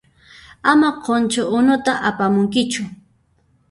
Ama qunchu unuta apamunkichu.